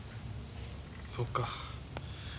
そうか。